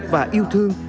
và yêu thương